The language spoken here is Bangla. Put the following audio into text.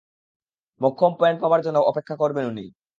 মোক্ষম পয়েন্ট পাবার জন্য অপেক্ষা করবেন উনি।